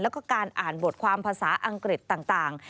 แล้วก็การอ่านบทความภาษาอังกฤษต่าง